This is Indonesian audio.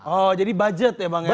oh jadi budget ya bang ya